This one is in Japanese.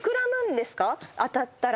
当たったら。